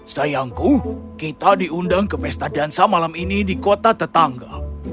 sayangku kita diundang ke pesta dansa malam ini di kota tetangga